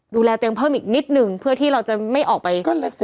ดูแลเตียงเพิ่มอีกนิดนึงเพื่อที่เราจะไม่ออกไป